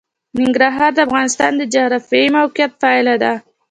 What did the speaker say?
ننګرهار د افغانستان د جغرافیایي موقیعت پایله ده.